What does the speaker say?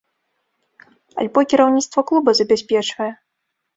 Альбо кіраўніцтва клуба забяспечвае?